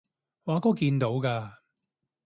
我阿哥見到㗎